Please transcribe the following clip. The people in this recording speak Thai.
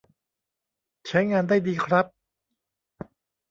ใช้งานได้ดีครับ